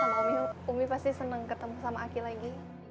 sekalian sama umi umi pasti seneng ketemu sama aki lagi